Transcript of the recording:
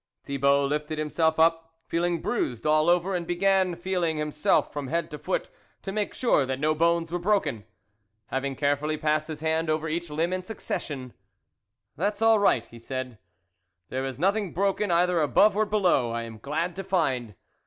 Thibault lifted himself up, feeling bruised all over, and began feeling him self from head to foot to make sure that no bones were broken. Having carefully passed his hand over each limb in succession, "that's all right," he said, " there is nothing broken either above or below, I am glad to find.